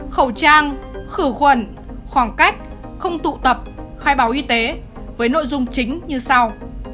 khẩu trang khử khuẩn khoảng cách không tụ tập khai báo y tế với nội dung chính như sau